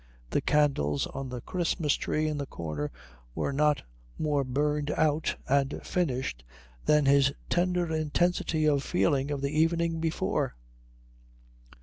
The candles on the Christmas tree in the corner were not more burned out and finished than his tender intensity of feeling of the evening before.